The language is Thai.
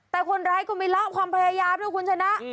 แต่คนร้ายก็ไม่ละความพยายามด้วยคุณชนะ